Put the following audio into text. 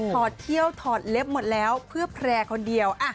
อดเขี้ยวถอดเล็บหมดแล้วเพื่อแพร่คนเดียว